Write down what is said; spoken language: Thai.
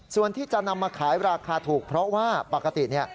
ส่วนที่จะนำมาขายราคาถูกเพราะว่าปกติเนี่ย